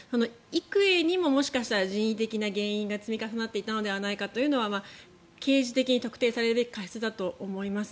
幾重にももしかしたら人為的な原因が積み重なっていたのではないかというのは刑事的に特定されるべき過失だと思います。